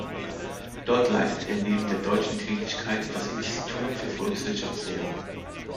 Dort leitet er neben der deutschen Tätigkeit das Institut für Volkswirtschaftslehre.